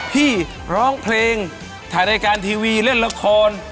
พี่ร้องเพลงถ่ายรายการทีวีเล่นละคร